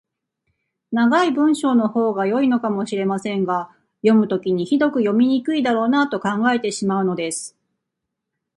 長い文章のほうが良いのかもしれませんが、読むときにひどく読みにくいだろうなと考えてしまうのです。